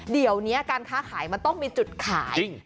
เดี๋ยวนี้การค้าขายมันต้องมีจุดขาย